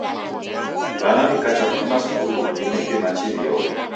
W'ana wikacha kufuma skulu kuw'ineke machi wioghe.